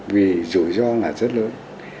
vì rủi ro là rất lớn